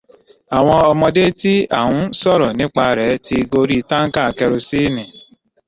Àwọn ọmọdé tí a ń sọ̀rọ̀ nípa rẹ̀ ti gorí táńkà kẹrosíìnì